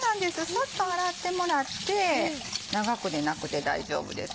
サッと洗ってもらって長くでなくて大丈夫です。